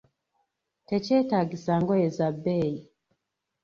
Tekyetaagisa ngoye za bbeeyi.